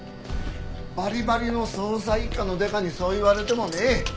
バリバリの捜査一課のデカにそう言われてもねえ。